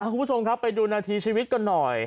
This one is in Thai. คุณผู้ชมครับไปดูนาทีชีวิตกันหน่อย